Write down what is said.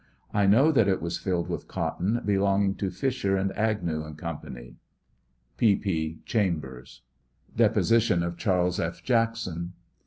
1 know that it was filled with cotton belonging to Fisher and Aguew & Co. P. P. CHAMBERS. Deposition of Charles F. Jackson.